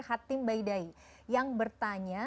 hatim baidai yang bertanya